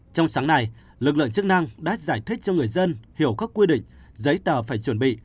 trong sáng nay lực lượng chức năng đã giải thích cho người dân hiểu các quy định giấy tờ phải chuẩn bị